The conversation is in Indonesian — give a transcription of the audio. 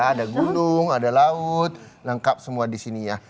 ada gunung ada laut lengkap semua di sini ya